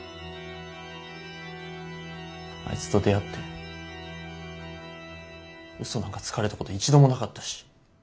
あいつと出会ってウソなんかつかれたこと一度もなかったし。